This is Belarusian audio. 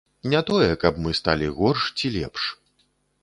Не тое, каб мы сталі горш ці лепш.